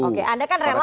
oke anda kan relawan